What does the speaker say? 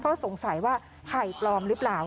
ก็สงสัยว่าไข่ปลอมหรือเปล่า